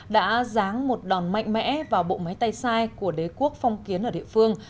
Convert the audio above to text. đã ráng một đòn mạnh mẽ vào bộ máy tay sai của đế quốc phong kiến ở địa phương